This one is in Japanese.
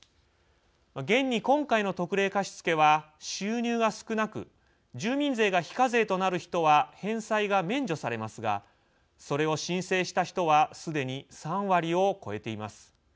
現に今回の特例貸付は収入が少なく住民税が非課税となる人は返済が免除されますがそれを申請した人はすでに３割を超えています。